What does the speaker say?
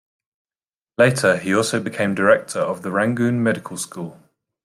Later, he also became director of the Rangoon Medical School.